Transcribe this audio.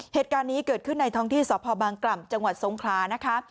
เหตุการณ์นี้เกิดขึ้นในท้องที่สพบางกล่ำจังหวัดทรงคลานะคะ